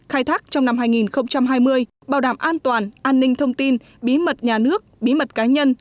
khai thác trong năm hai nghìn hai mươi bảo đảm an toàn an ninh thông tin bí mật nhà nước bí mật cá nhân